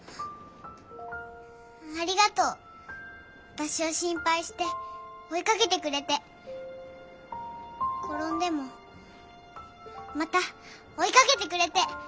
私を心配して追いかけてくれて転んでもまた追いかけてくれて。